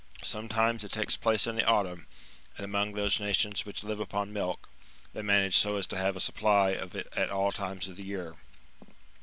Some times it takes place in the autumn ; and among those nations which live upon milk, they manage so as to have a supplj of it at all times of the year.